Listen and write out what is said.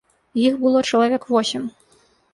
Іх было чалавек восем.